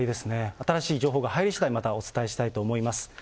新しい情報が入りしだい、またお伝えしたいと思います。